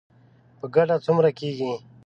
په ګډه څومره کیږي؟